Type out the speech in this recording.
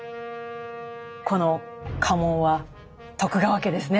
この家紋は徳川家ですね。